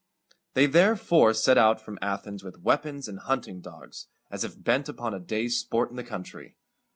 They therefore set out from Athens with weapons and hunting dogs, as if bent upon a day's sport in the country.